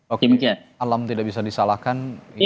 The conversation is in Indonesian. oke alam tidak bisa disalahkan